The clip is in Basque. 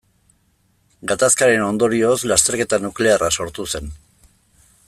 Gatazkaren ondorioz lasterketa nuklearra sortu zen.